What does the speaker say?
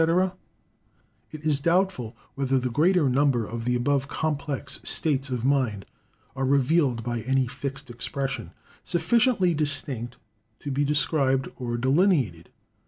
—It is doubtful whether the greater number of the above complex states of mind are revealed by any fixed expression, sufficiently distinct to be described or delineated.